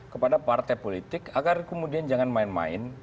kepada partai politik agar kemudian jangan main main